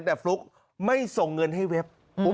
แต่ฟลุ๊กไม่ส่งเงินให้เว็บ